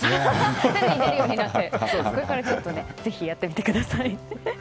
これからぜひやってみてください。